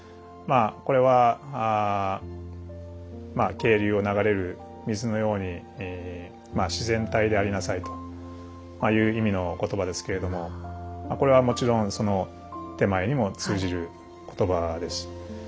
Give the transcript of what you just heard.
まあこれは渓流を流れる水のようにまあ自然体でありなさいという意味の言葉ですけれどもこれはもちろんその点前にも通じる言葉です。